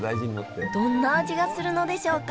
どんな味がするのでしょうか？